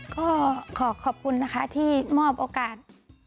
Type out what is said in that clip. ก็ขอขอบคุณนะคะที่มอบโอกาส